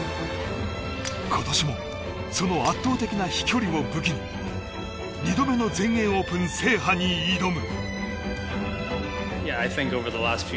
今年もその圧倒的な飛距離を武器に２度目の全英オープン制覇に挑む。